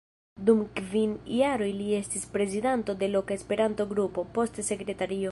Dum kvin jaroj li estis prezidanto de loka Esperanto-Grupo, poste sekretario.